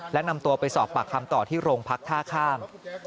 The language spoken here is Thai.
และนำตัวไปสอบปากคำต่อที่โรงพักท่าข้าม